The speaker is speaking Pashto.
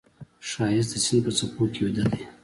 ښایست د سیند په څپو کې ویده دی